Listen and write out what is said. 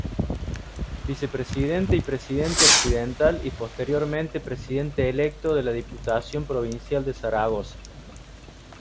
Vicepresidente y Presidente accidental y posteriormente Presidente electo de la Diputación Provincial de Zaragoza.